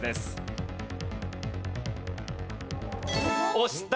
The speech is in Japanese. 押した。